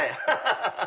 ハハハハ！